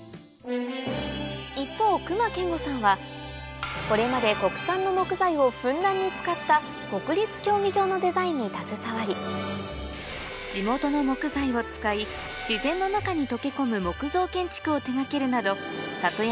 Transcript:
一方隈研吾さんはこれまで国産の木材をふんだんに使った国立競技場のデザインに携わり地元の木材を使い自然の中に溶け込む木造建築を手掛けるなど